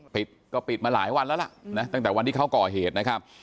ปิดก็ปิดมาหลายวันแล้วล่ะนะตั้งแต่วันที่เขาก่อเหตุนะครับ